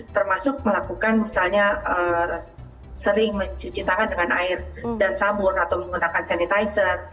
termasuk melakukan misalnya sering mencuci tangan dengan air dan sabun atau menggunakan sanitizer